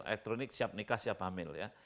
elektronik siap nikah siap hamil ya